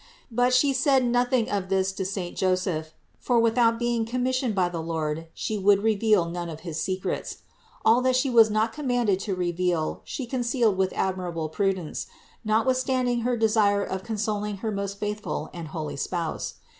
But She said nothing of this to saint Joseph; for without being commissioned by the Lord She would reveal none of his secrets. All that She was not commanded to re veal She concealed with admirable prudence, notwith standing her desire of consoling her most faithful and holy spouse.